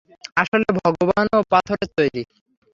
আসলে, ভগবানও পাথরের তৈরি।